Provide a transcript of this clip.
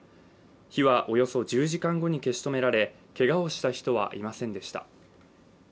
火はおよそ１０時間後に消し止められ、けがをした人はいませんでした。